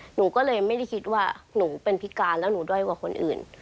หนูก็เลยไม่ได้คิดว่าหนูเป็นพิการแล้วหนูด้อยกว่าคนอื่น